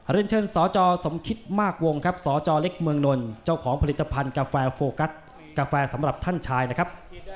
เรียนเชิญสจสมคิดมากวงครับสจเล็กเมืองนลเจ้าของผลิตภัณฑ์กาแฟโฟกัสกาแฟสำหรับท่านชายนะครับ